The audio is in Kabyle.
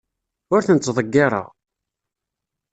Ur ten-ttḍeyyireɣ.